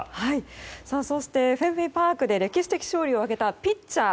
そしてフェンウェイパークで歴史的勝利を挙げたピッチャー